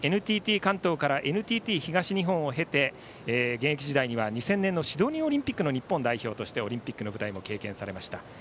関東からＮＴＴ東日本を経て現役時代には２０００年のシドニーオリンピックの日本代表としてオリンピックの舞台も経験されました。